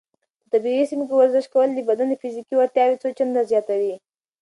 په طبیعي سیمو کې ورزش کول د بدن فزیکي وړتیاوې څو چنده زیاتوي.